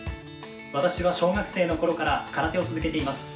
私は小学生のころから空手を続けています。